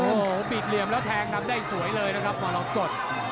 โอ้โหปีกเหลี่ยมแล้วแทงนำได้สวยเลยนะครับมรกฏ